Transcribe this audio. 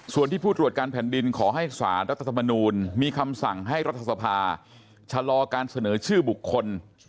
ส่วนที่ผู้ตรวจการแผ่นดินขอให้สารรัฐธรรมนูลมีคำสั่งให้รัฐสภาชะลอการเสนอชื่อบุคคล